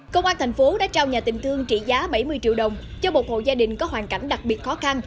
công an thành phố đã trao nhà tình thương trị giá bảy mươi triệu đồng cho một hộ gia đình có hoàn cảnh đặc biệt khó khăn